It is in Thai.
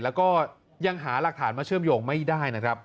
แล้วก็ยังหาหลักฐานมาเชื่อมโยงไม่ได้นะครับ